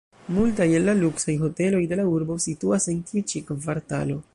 Multaj el la luksaj hoteloj de la urbo situas en tiu ĉi kvartalo.